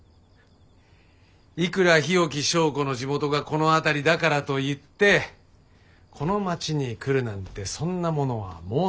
いくら日置昭子の地元がこの辺りだからといってこの町に来るなんてそんなものは妄想だ